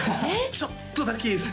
ちょっとだけいいですか？